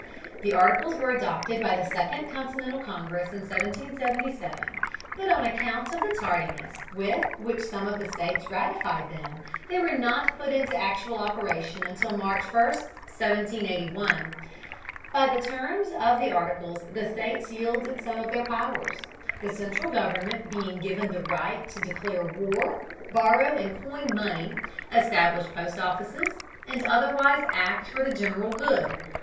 The Articles were adopted by the Second Continental Congress in 1777, but on account of the tardiness with which some of the states ratified them, they were not put into actual operation until March 1, 1781. By the terms of the Articles the states yielded some of their powers, the central government being given the right to declare war, borrow and coin money, establish post offices, and otherwise act for the general good.